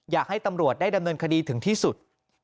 อยากให้ตำรวจได้ดำเนินคดีถึงที่สุด